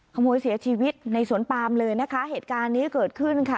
ขโมยเสียชีวิตในสวนปามเลยนะคะเหตุการณ์นี้เกิดขึ้นค่ะ